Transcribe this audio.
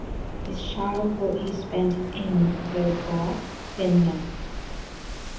His childhood he spent in Vilppula, Finland.